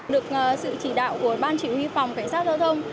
được sự chỉ đạo của ban chỉ huy phòng cảnh sát giao thông